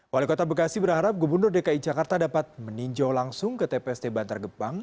wali kota bekasi berharap gubernur dki jakarta dapat meninjau langsung ke tpst bantar gebang